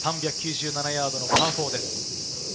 ３９７ヤードのパー４です。